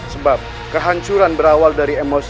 sebab kehancuran berawal dari emosi